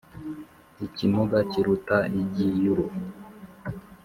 Ikimuga kiruta igiyuro